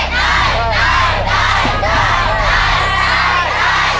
ได้ได้ได้